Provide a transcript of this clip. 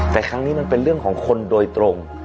แต่ครั้งนี้มันเป็นเรื่องของคนโดยตรง